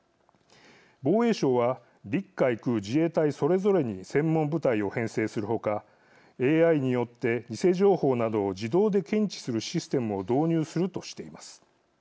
防衛省は陸海空自衛隊それぞれに専門部隊を編成するほかＡＩによって偽情報などを自動で検知するシステムを導入するとしています。